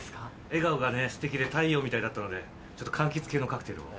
笑顔がステキで太陽みたいだったのでかんきつ系のカクテルを。